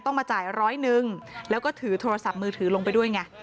มาจ่ายร้อยหนึ่งแล้วก็ถือโทรศัพท์มือถือลงไปด้วยไง